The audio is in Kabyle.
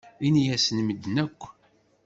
Ini-asen i medden akk.